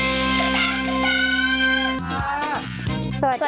แล้วก็คุยว่า